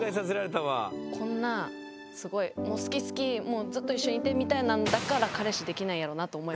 こんなすごいもう好き好きもうずっと一緒にいてみたいなんだから彼氏できないんやろなと思いました。